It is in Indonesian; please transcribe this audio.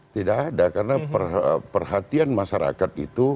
tidak ada karena perhatian masyarakat itu